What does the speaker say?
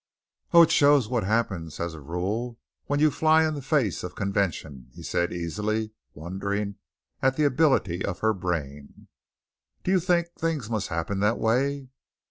"Oh, it shows what happens, as a rule, when you fly in the face of convention," he said easily, wondering at the ability of her brain. "Do you think things must happen that way?"